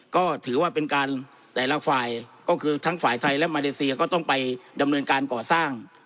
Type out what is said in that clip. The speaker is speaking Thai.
ก็ถือว่าเป็นการแต่ละฝ่ายก็คือทั้งฝ่ายไทยและมาเลเซียก็ต้องไปดำเนินการก่อสร้าง